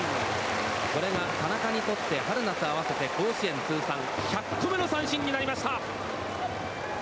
これが田中にとって春夏合わせて甲子園通算１００個目の三振になりました。